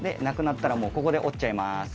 なくなったらもうここで折っちゃいます。